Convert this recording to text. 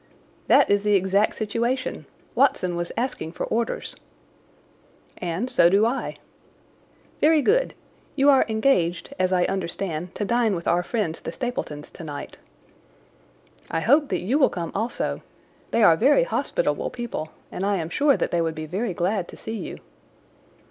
"That is the exact situation. Watson was asking for orders." "And so do I." "Very good. You are engaged, as I understand, to dine with our friends the Stapletons tonight." "I hope that you will come also. They are very hospitable people, and I am sure that they would be very glad to see you."